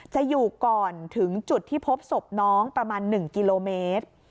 จะอยู่ก่อนถึงจุดที่พบศพน้องประมาณ๑กิโลเมตร